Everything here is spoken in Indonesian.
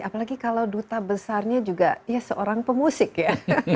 apalagi kalau duta besarnya juga ya seorang pemusik ya